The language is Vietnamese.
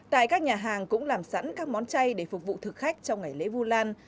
tại các nhà hàng cũng làm sẵn các món chay để phục vụ thực khách trong ngày lễ vu lan